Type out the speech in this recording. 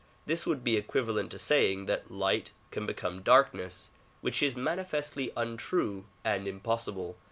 This would be equivalent to saying that light can become darkness, which is manifestly untrue and im possible.